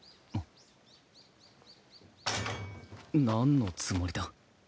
何のつもりだ？